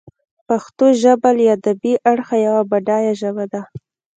پښتو ژبه له ادبي اړخه یوه بډایه ژبه ده.